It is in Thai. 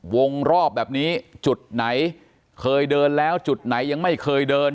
วงรอบแบบนี้จุดไหนเคยเดินแล้วจุดไหนยังไม่เคยเดิน